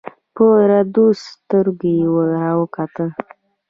په رډو سترگو يې راوکتل.